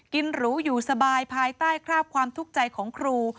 หรูอยู่สบายภายใต้คราบความทุกข์ใจของครู